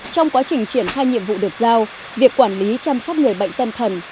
trong quá trình triển khai nhiệm vụ được giao việc quản lý chăm sóc người bệnh tâm thần